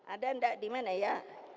ada nggak di mana ya